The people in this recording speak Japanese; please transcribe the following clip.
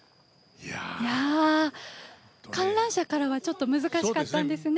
観覧車からは難しかったんですね。